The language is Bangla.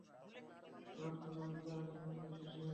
হটাৎ করে, আমি কারো জন্য এতো বিশেষ হয়ে গেলাম।